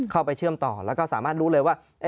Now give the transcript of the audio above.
เชื่อมต่อแล้วก็สามารถรู้เลยว่า